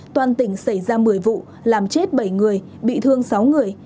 toàn tỉnh xảy ra một mươi vụ làm chết bảy người bị thương sáu người